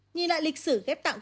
nhìn lại lịch sử ghép tạng